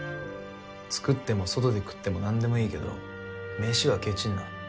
作っても外で食っても何でもいいけど飯はけちんな。